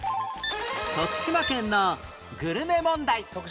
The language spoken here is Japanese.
徳島県のグルメ問題